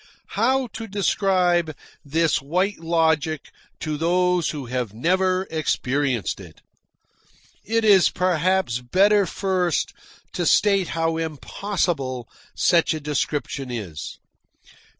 How to describe this White Logic to those who have never experienced it! It is perhaps better first to state how impossible such a description is.